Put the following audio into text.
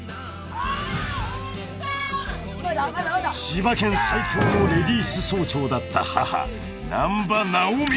［千葉県最強のレディース総長だった母難破ナオミ］